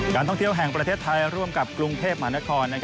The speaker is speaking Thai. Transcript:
ท่องเที่ยวแห่งประเทศไทยร่วมกับกรุงเทพมหานคร